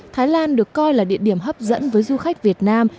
thái lan được coi là địa điểm hấp dẫn với du khách việt nam